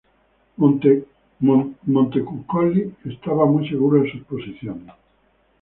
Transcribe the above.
Montecuccoli estaba muy seguro en sus posiciones.